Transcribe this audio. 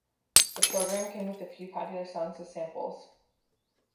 The program came with a few popular songs as samples.